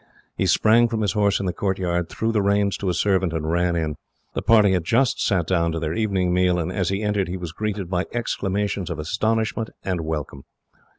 He sprang from his horse in the courtyard, threw the reins to a servant, and ran in. The party had just sat down to their evening meal, and as he entered he was greeted by exclamations of astonishment and welcome.